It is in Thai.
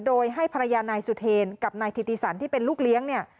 โดยให้ภรรยานายสุเทรนกับนายธิติสันที่เป็นลูกเลี้ยงเนี่ย